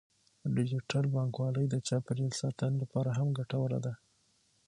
ډیجیټل بانکوالي د چاپیریال ساتنې لپاره هم ګټوره ده.